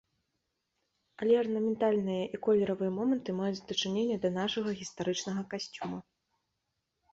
Але арнаментальныя і колеравыя моманты маюць дачыненне да нашага гістарычнага касцюма.